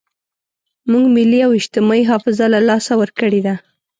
موږ ملي او اجتماعي حافظه له لاسه ورکړې ده.